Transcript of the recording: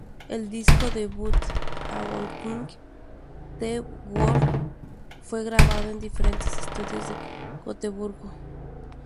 El disco debut, "Awakening the World", fue grabado en diferentes estudios de Gotemburgo.